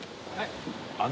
はい。